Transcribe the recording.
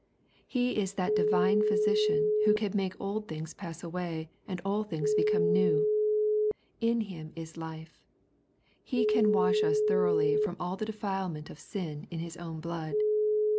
He is that divine Physician, who can make old things pass away and all things become new. In Him is life. He can wash us thoroughly from all the defilement of sin in His own blood.